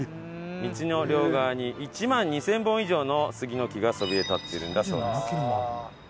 道の両側に１万２０００本以上の杉の木がそびえ立っているんだそうです。